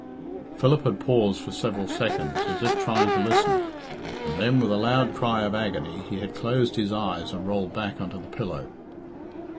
Philip had paused for several seconds, as if trying to listen, and then, with a loud cry of agony, he had closed his eyes and rolled back on to the pillow.